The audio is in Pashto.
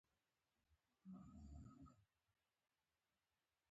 زړه د انسان ریښتینی مخ دی.